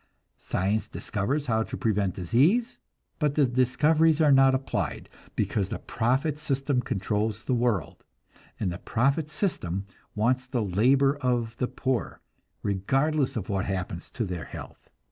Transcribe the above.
Science discovers how to prevent disease, but the discoveries are not applied, because the profit system controls the world, and the profit system wants the labor of the poor, regardless of what happens to their health.